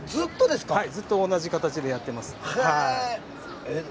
ずっと同じ形でやっています。